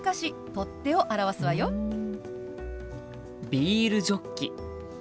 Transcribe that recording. ビールジョッキ。